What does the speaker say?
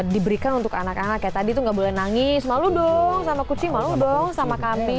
diberikan untuk anak anaknya tadi tuh nggak boleh nangis malu dong sama kucing malu dong sama kami